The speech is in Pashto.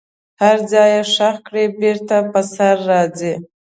هر ځای یې ښخ کړئ بیرته به سره راځي.